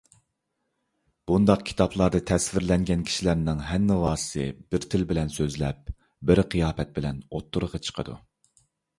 بۇنداق كىتابلاردا تەسۋىرلەنگەن كىشىلەرنىڭ ھەننىۋاسى بىر تىل بىلەن سۆزلەپ، بىر قىياپەت بىلەن ئوتتۇرىغا چىقىدۇ.